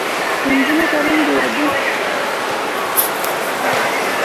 د نجونو تعلیم د ودونو تاوتریخوالي کمولو سبب دی.